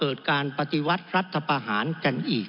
จึงฝากกลับเรียนเมื่อเรามีการแก้รัฐพาหารกันอีก